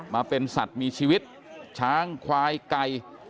มาเป็นสัตว์มีชีวิตช้างควายไก่